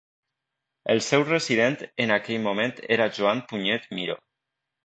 El seu resident en aquell moment era Joan Punyet Miró.